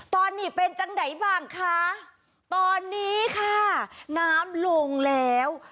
ตอนนี้เป็นจังไหนบ้างคะตอนนี้ค่ะน้ำลงแล้ว